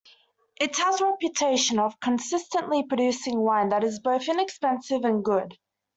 It has a reputation of consistently producing wine that is both inexpensive and good.